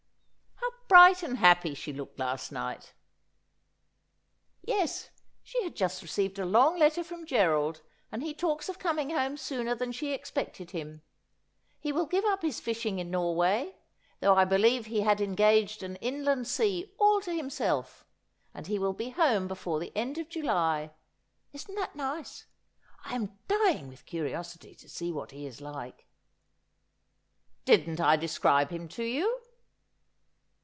' How bright and happy she looked last night !'' Yes ; she had just received a long letter from Gerald, and he talks of coming home sooner than she expected him. He will give up his fishing in Norway, though I believe he had engaged an inland sea all to himself, and he will be home before the end of July. Isn't it nice ? I am dying with curiosity to see what he is like.' ' Didn't I describe him to you